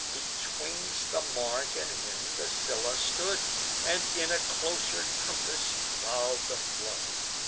Betwixt the mark and him the Scylla stood, And in a closer compass plow'd the flood.